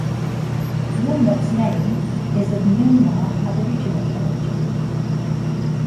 Yornup's name is of Noongar Aboriginal origin.